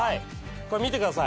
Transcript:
これ見てください。